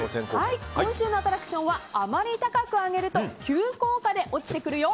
今週のアトラクションはあまり高く上げると急降下で落ちてくるよ！